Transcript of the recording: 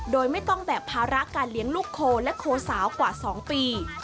โดยไม่ต้องแบกภาระการเลี้ยงลูกโคและโคสาวกว่า๒ปี